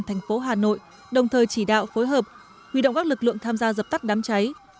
thành phố hà nội đồng thời chỉ đạo phối hợp huy động các lực lượng tham gia dập tắt đám cháy